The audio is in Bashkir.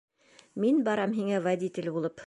Мин барам һиңә водитель булып.